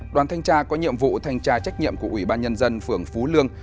đoàn thanh tra có nhiệm vụ thanh tra trách nhiệm của ubnd phường phú lương